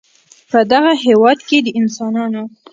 په دغه هېواد کې د انسانانو